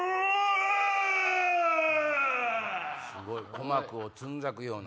鼓膜をつんざくような。